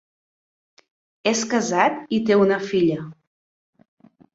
És casat i té una filla.